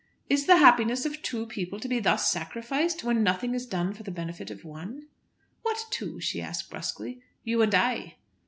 "Is the happiness of two people to be thus sacrificed, when nothing is done for the benefit of one?" "What two?" she asked brusquely. "You and I."